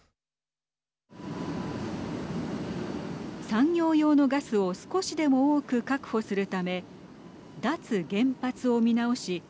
産業用のガスを少しでも多く確保するため脱原発を見直し